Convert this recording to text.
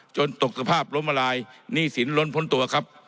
ตกสภาพล้มละลายหนี้สินล้นพ้นตัวครับ